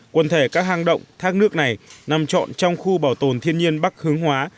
quần thể các hang động thác nước này nằm trọn trong khu bảo tồn thiên nhiên bắc hướng hóa